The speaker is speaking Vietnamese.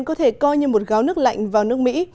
có thể coi như một gáo nước lạnh vào nước mỹ